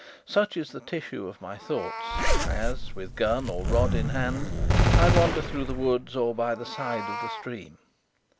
Such is the tissue of my thoughts as, with gun or rod in hand, I wander through the woods or by the side of the stream.